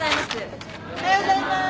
おはようございます。